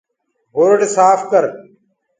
دورڊ سآڦ ڪر۔